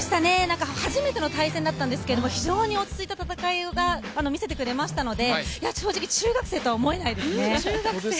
初めての対戦だったんですけれども、非常に落ち着いた戦いを見せてくれたので正直、中学生とは思えないですね。